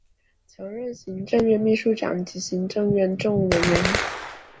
曾任行政院秘书长及行政院政务委员。